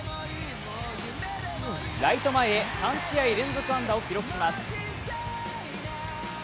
ライト前へ３試合連続安打を記録します。